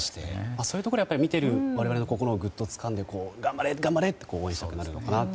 そういう見ている我々の心をぐっとつかんで、頑張れと応援したくなるのかなと。